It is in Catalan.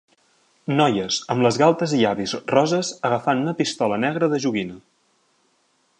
Noies amb les galtes i llavis roses agafant una pistola negra de joguina